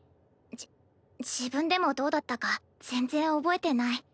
じ自分でもどうだったか全然覚えてない。